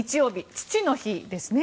父の日ですね。